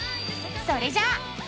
それじゃあ。